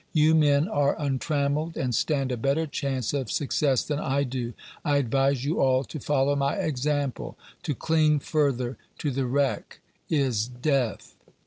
You, men, are untrammeled and stand a better chance of success than I do. I advise you all to follow my example; to cling further to the wreck is death!"